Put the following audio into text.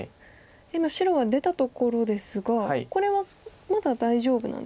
今白は出たところですがこれはまだ大丈夫なんですね